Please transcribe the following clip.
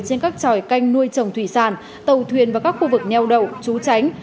trên các tròi canh nuôi trồng thủy sản tàu thuyền và các khu vực neo đậu trú tránh